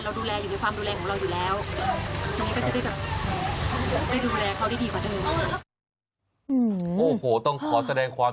เราดูแลอยู่ในความดูแลของเราอยู่แล้ว